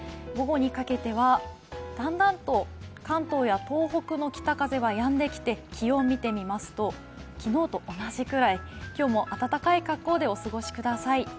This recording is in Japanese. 午後にかけてはだんだんと関東や東北の北風はやんできて気温を見てみますと、昨日と同じくらい今日も温かい格好でお過ごしください。